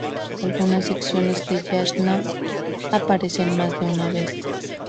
Algunas secciones del Yasna aparecen más de una vez.